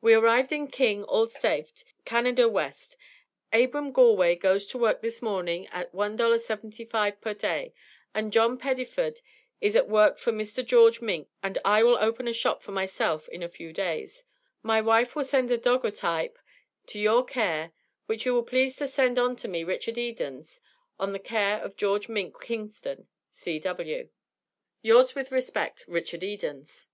We arived in King all saft Canada West Abram Galway gos to work this morning at $1.75 per day and John pediford is at work for mr george mink and i will opne a shop for my self in a few days My wif will send a daugretipe to your cair whitch you will pleas to send on to me Richard Edons to the cair of George Mink Kingston C W Yours with Respect, RICHARD EDONS.